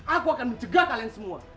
aku akan mencegah kalian semua